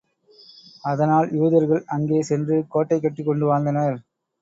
அதனால் யூதர்கள் அங்கே சென்று கோட்டை கட்டிக் கொண்டு வாழ்ந்தனர்.